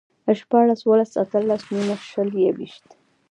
شپاړس، اووهلس، اتهلس، نولس، شل، يوويشت